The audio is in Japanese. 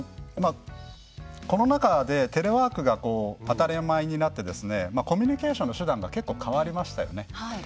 コロナ禍でテレワークが当たり前になってコミュニケーションの手段が結構変わりましたよね。